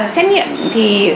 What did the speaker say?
xét nghiệm thì